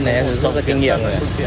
tất nhiên này em cũng rất là kinh nghiệm